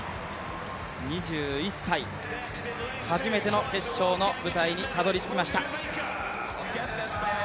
２１歳、初めての決勝の舞台にたどり着きました。